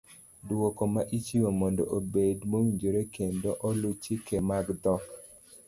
Duoko ma ichiwo mondo obed mowinjore kendo olu chike mag dhok.